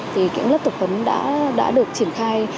thì những lớp tập huấn đã được triển khai